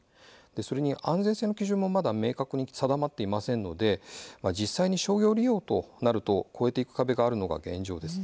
安全性の基準も明確に定まっていませんので実際に商業利用となると越えていく壁があるのが現状です。